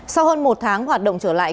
sau hơn một tháng hoạt động trở lại